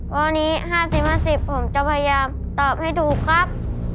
ข้อนี้๕๐๕๐ผมจะพยายามตอบให้ถูกครับ